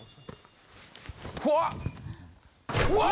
うわ！